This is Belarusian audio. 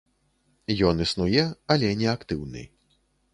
Ён існуе, але не актыўны.